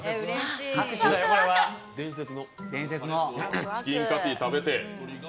伝説のチキンカティ食べて。